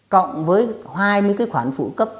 cộng với hai mươi cái khoản phụ cấp